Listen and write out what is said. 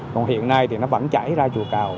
còn hiện nay thì nó vẫn chảy ra chùa cầu